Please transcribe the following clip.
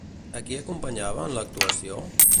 A qui acompanyava en l'actuació?